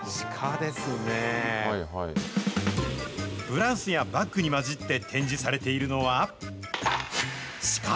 ブラウスやバッグに交じって展示されているのはシカ。